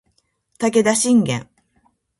武田信玄